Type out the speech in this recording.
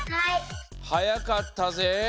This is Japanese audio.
はやかったぜ。